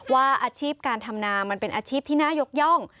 ว่าอาชีพการทำนามันเป็นอาชีพที่น่ายกย่อง